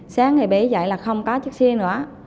sáng ngày bảy dậy là không có chiếc xe nữa